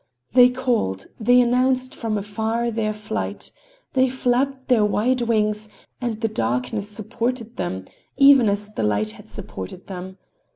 They called, they announced from afar their flight. They flapped their wide wings and the darkness supported them, even as the light had supported them.